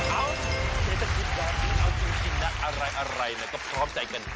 เอ้าใครจะคิดว่าถึงเอาจริงนะอะไรนะก็พร้อมใจกัน